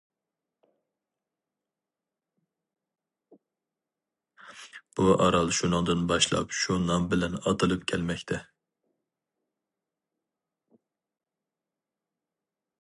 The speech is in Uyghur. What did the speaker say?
بۇ ئارال شۇنىڭدىن باشلاپ شۇ نام بىلەن ئاتىلىپ كەلمەكتە.